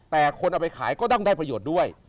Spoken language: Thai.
แต่คนเอาไปขายก็ต้องได้ประโยชน์ด้วย